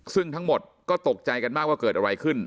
ซึ่งทั้งหมดก็ตกใจกันมากว่าเกิดอะไรขึ้น